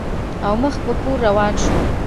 او مخ په کور روان شو.